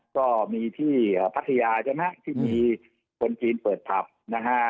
ก็มีที่พัทยาใช่ไหมฮะที่มีคนจีนเปิดผับนะฮะ